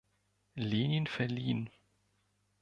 Lenin“ verliehen.